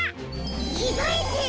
きがえてる！